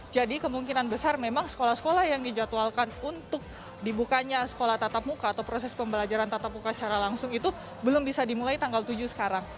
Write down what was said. jadi kemungkinan besar memang sekolah sekolah yang dijadwalkan untuk dibukanya sekolah tatap muka atau proses pembelajaran tatap muka secara langsung itu belum bisa dimulai tanggal tujuh sekarang